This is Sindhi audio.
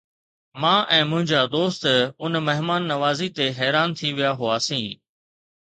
مان ۽ منهنجا دوست ان مهمان نوازي تي حيران ٿي ويا هئاسين.